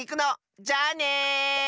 じゃあね！